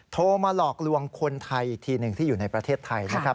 โทรมาหลอกลวงคนไทยอีกทีหนึ่งที่อยู่ในประเทศไทยนะครับ